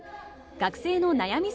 学生の悩み